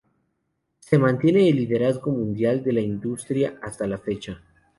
Se mantiene el liderazgo mundial de la industria hasta la fecha.